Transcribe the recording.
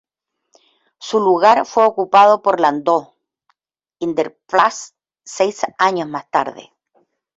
Su lugar fue ocupado por Landau in der Pfalz seis años más tarde.